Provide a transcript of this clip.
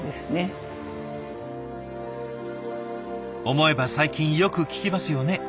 思えば最近よく聞きますよね。